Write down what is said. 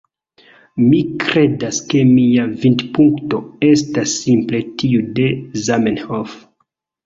Mi kredas ke mia vidpunkto estas simple tiu de Zamenhof.